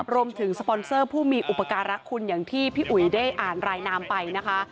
สปอนเซอร์ผู้มีอุปการะคุณอย่างที่พี่อุ๋ยได้อ่านรายนามไปนะคะ